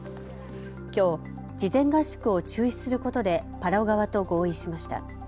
きょう、事前合宿を中止することでパラオ側と合意しました。